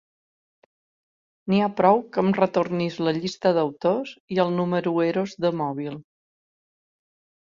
N'hi ha prou que em retornis la llista d'autors i els número eros de mòbil.